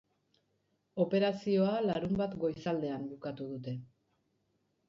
Operazioa larunbat goizaldean bukatu dute.